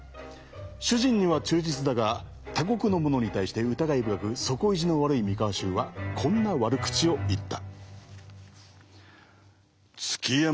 主人には忠実だが他国の者に対して疑い深く底意地の悪い三河衆はこんな悪口を言った。